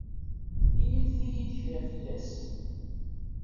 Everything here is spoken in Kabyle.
Inimt-yi-d kra fell-as.